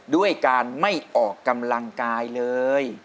ด้วยการไม่ออกกำลังกายเลย